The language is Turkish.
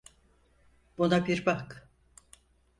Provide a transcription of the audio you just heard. Buna bir bak.